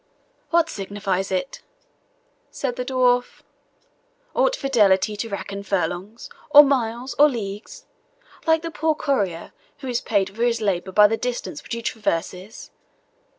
"What signifies it?" said the dwarf. "Ought fidelity to reckon furlongs, or miles, or leagues like the poor courier, who is paid for his labour by the distance which he traverses?